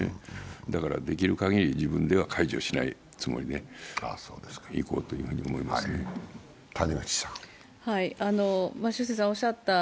だから、できるかぎり自分では解除しないつもりでいこうと思ってます。